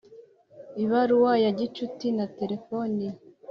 ibaruwa ya gicuti na terefoni,